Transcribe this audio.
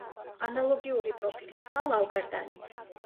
ანალოგიური პროფილისაა ლავგარდანიც.